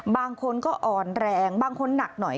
บางคนก็อ่อนแรงบางคนหนักหน่อย